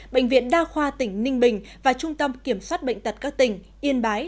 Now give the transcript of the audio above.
bệnh viện đa khoa tỉnh ninh bình và trung tâm kiểm soát bệnh tật các tỉnh yên bái